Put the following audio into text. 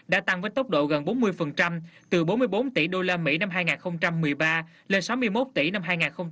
đã tăng với tốc độ gần bốn mươi từ bốn mươi bốn tỷ usd năm hai nghìn một mươi ba lên sáu mươi một tỷ năm hai nghìn một mươi bảy